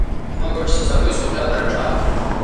مہ گوٹھ سوصفائ سو خیال رڇھا